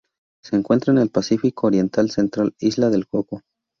Se encuentra en el Pacífico oriental central: Isla del Coco.